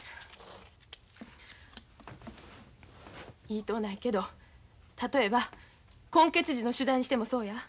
言いとうないけど例えば混血児の取材にしてもそうや。